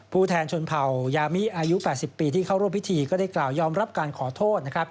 ผู้แทนชนเผ่ายามิอายุ๘๐ปีที่เข้าร่วมพิธีก็ได้กล่าวยอมรับการขอโทษนะครับ